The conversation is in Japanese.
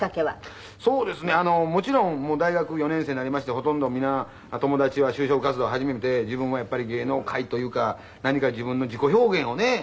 そうですねもちろん大学４年生になりましてほとんど皆友達は就職活動を始めて自分もやっぱり芸能界というか何か自分の自己表現をね。